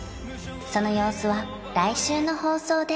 その様子は来週の放送で！